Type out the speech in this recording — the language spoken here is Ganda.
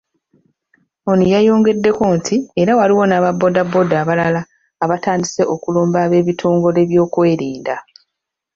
Ono yayongeddeko nti era waliwo n'aba boda boda abalala abatandise okulumba eb'ebitongole by'ebyokwerinda.